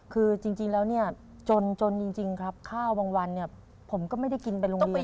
คือจริงแล้วเนี่ยจนจริงครับข้าวบางวันเนี่ยผมก็ไม่ได้กินไปโรงเรียน